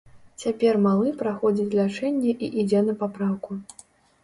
Цяпер малы праходзіць лячэнне і ідзе на папраўку.